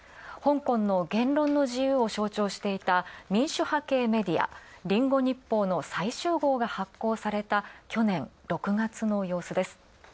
香港の言論の自由を象徴していた民主派系メディア、「リンゴ日報」の最終号が発行された、去年６月の様子です。